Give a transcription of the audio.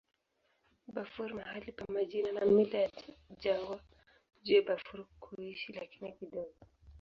Bafur mahali pa majina na mila ya jangwa juu ya Bafur kuishi, lakini kidogo.